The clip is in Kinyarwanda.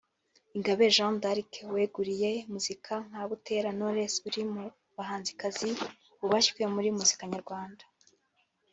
Ingabire Jeanne d’Arc wiyeguriye muzika nka Butera Knowless uri mu bahanzikazi bubashywe muri muzika nyarwanda